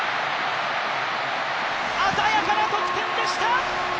鮮やかな得点でした！